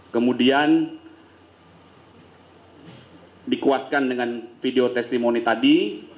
kemudian dikuatkan dengan video testimoni tadi